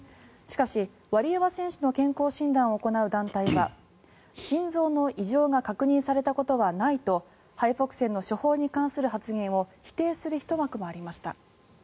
しかし、ワリエワ選手の健康診断を行う団体は心臓の異常が確認されたことはないとハイポクセンの処方に関する発言を否定するひと幕もありました。